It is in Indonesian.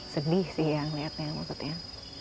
sedih sih ya ngeliatnya maksudnya